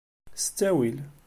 S ttwail!